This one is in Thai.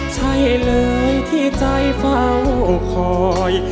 ใช่เลยที่ใจเฝ้าคอย